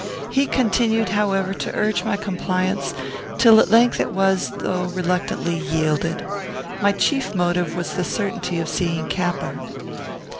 He continued, however, to urge my compliance till at length it was, though reluctantly, yielded. My chief motive was the certainty of seeing Capper.